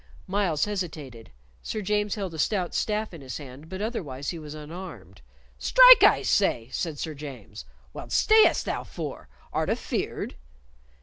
Myles hesitated. Sir James held a stout staff in his hand, but otherwise he was unarmed. "Strike, I say!" said Sir James. "What stayest thou for? Art afeard?"